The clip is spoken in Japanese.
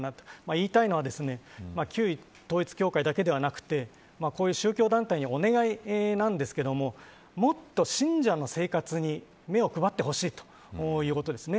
言いたいのは旧統一教会だけではなくてこういう宗教団体にお願いなんですけれどももっと信者の生活に目を配ってほしいということです。